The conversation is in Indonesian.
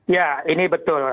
ya ini betul